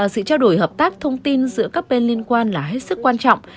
sự trao đổi hợp tác thông tin giữa các bên liên quan là hết sức quan trọng